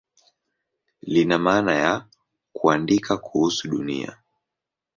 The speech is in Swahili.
Lina maana ya "kuandika kuhusu Dunia".